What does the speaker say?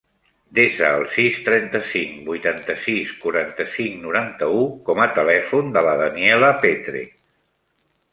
Desa el sis, trenta-cinc, vuitanta-sis, quaranta-cinc, noranta-u com a telèfon de la Daniella Petre.